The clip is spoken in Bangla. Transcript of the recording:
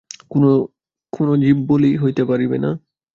কোনো জীববলিই হইতে পারিবে না?